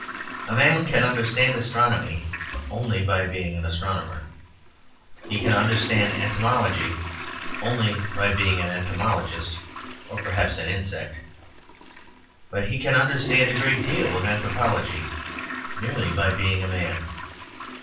A man can understand astronomy only by being an astronomer; he can understand entomology only by being an entomologist (or, perhaps, an insect); but he can understand a great deal of anthropology merely by being a man.